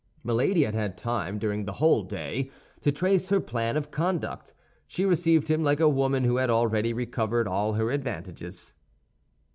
Milady had had time, during the whole day, to trace her plan of conduct. She received him like a woman who had already recovered all her advantages.